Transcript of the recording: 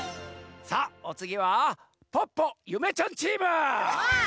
さあおつぎはポッポゆめちゃんチーム！